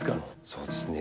そうですね。